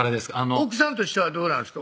奥さんとしてはどうなんですか？